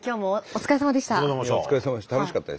お疲れさまでした。